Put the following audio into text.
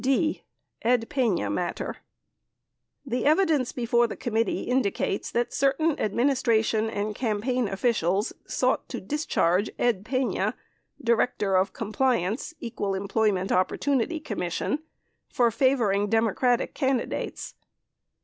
d. Ed Pena Matter The evidence before the committee indicates that certain adminis tration and campaign officials sought to discharge Ed Pena, Director of Compliance, Equal Employment Opportunity Commission, for favoring Democratic candidates.